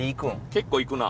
結構行くな。